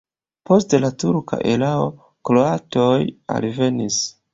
Post la turka erao kroatoj alvenis.